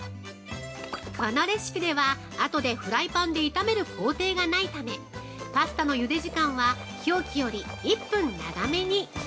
◆このレシピでは、後でフライパンで炒める工程がないためパスタのゆで時間は表記より１分長めに。